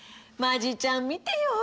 マジちゃん見てよ。